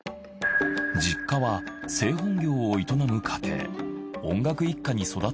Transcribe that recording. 実家は製本業を営む家庭。